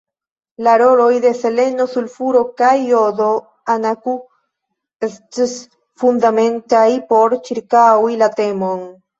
La roloj de seleno sulfuro kaj jodo anakŭ ests fundamentaj por cirkaŭi la temon.